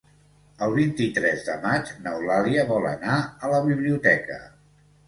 El vint-i-tres de maig n'Eulàlia vol anar a la biblioteca.